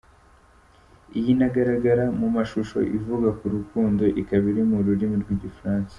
Iyi inagaragara mu mashusho ivuga ku rukundo, ikaba iri mu rurimi rw’Igifaransa.